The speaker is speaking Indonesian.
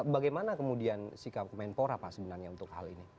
bagaimana kemudian sikap kemenpora pak sebenarnya untuk hal ini